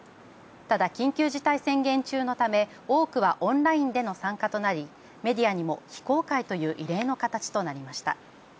ただ、緊急事態宣言中のため、多くはオンラインでの参加となり、メディアにも非公開という異例の形となりました。